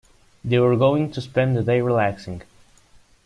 They were going to spend the day relaxing.